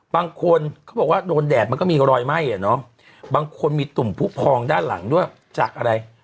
บางคนเขาบอกว่าโดนแดดมันก็มีรอยไหม้อะเนาะบางคนมีตุ่มผู้พองด้านหลังด้วยจากอะไร